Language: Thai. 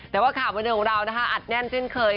แต่ว่าข่าวบรรยาของเราอัดแน่นเช่นเคย